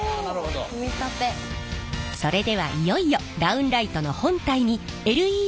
それではいよいよダウンライトの本体にＬＥＤの部品を取り付けます。